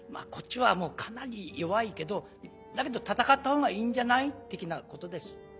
こっちはかなり弱いけどだけど戦ったほうがいいんじゃない？的なことです。